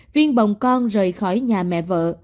viên bồng con rời khỏi nhà vợ